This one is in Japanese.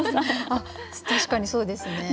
確かにそうですね。